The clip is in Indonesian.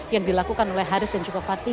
yang dilakukan oleh haris dan cukupati